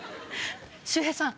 周平さん